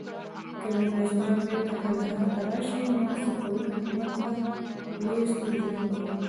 که ميرويس خان بېرته کندهار ته راشي، نو صفوي حکومت ته لويې ستونزې جوړوي.